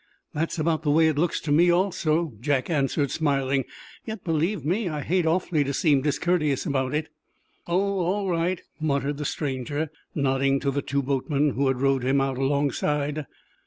"That's about the way it looks to me, also," Jack answered, smiling. "Yet, believe me, I hate awfully to seem discourteous about it." "Oh, all right," muttered the stranger, nodding to the two boatmen, who had rowed him out alongside.